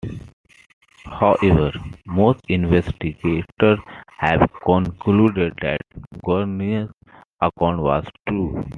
However, most investigators have concluded that Gurney's account was true.